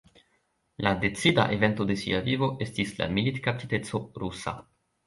La decida evento de sia vivo estis la militkaptiteco rusa.